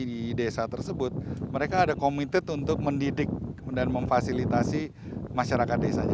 di desa tersebut mereka ada komited untuk mendidik dan memfasilitasi masyarakat desanya